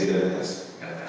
tidak ada hash